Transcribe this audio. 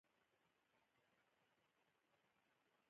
آیا سینماګانې فعالې دي؟